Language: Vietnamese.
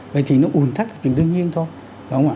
vậy thì nó ủn thắt là chuyện đương nhiên thôi